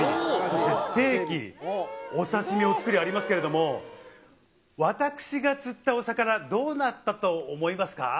そしてステーキ、お刺身、お造りありますけれども、私が釣ったお魚、どうなったと思いますか。